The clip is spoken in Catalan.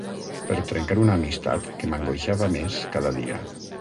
Per trencar una amistat que m’angoixava més cada dia.